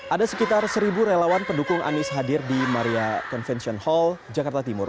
ada sekitar seribu relawan pendukung anies hadir di maria convention hall jakarta timur